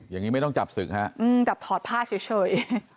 อย่างนี้ไม่ต้องจับศึกฮะจับถอดผ้าเฉย